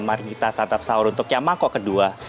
mari kita santap sahur untuk yang mangkok kedua